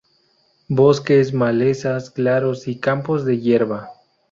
Bosques, malezas, claros, y campos de hierba.